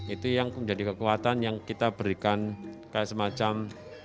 itu yang menjadi kekuatan yang kita berikan kayak semacam